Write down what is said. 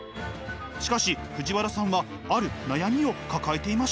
しかし藤原さんはある悩みを抱えていました。